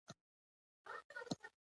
پښتني دودونه د افغانستان ملي شتمني ده.